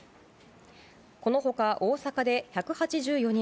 この他、大阪で１８４人